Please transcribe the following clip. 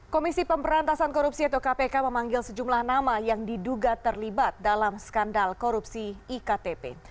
komisi pemberantasan korupsi atau kpk memanggil sejumlah nama yang diduga terlibat dalam skandal korupsi iktp